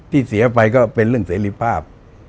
เสียไปก็เป็นเรื่องเสรีภาพ